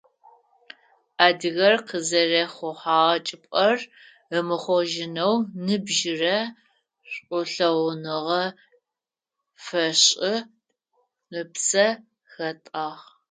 Адыгэр къызэрэхъухьэгъэ чӀыпӀэр ымыхъожьынэу ныбжьырэ шӀулъэгъуныгъэ фешӀы, ыпсэ хэтӀагъ.